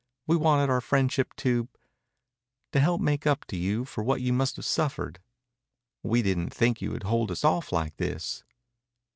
We wanted our friendship to to help make up to you for what you must have suffered. We didn't think you'd hold us off like this."